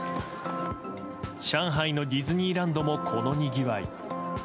上海のディズニーランドもこのにぎわい。